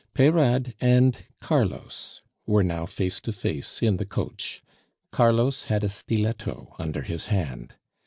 Peyrade and Carlos were now face to face in the coach. Carlos had a stiletto under his hand.